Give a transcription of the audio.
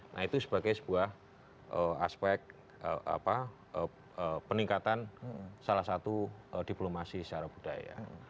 nah itu sebagai sebuah aspek peningkatan salah satu diplomasi secara budaya